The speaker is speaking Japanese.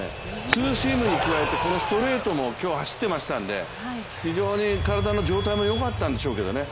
ツーシームに加えてストレートも走ってましたんで非常に体の状態もよかったんでしょうけどね。